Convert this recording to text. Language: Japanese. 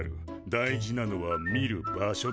大事なのは見る場所だ。